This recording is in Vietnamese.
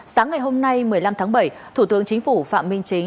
sáng ngày hôm nay một mươi năm tháng bảy thủ tướng chính phủ phạm minh chính